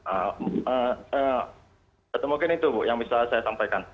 atau mungkin itu bu yang bisa saya sampaikan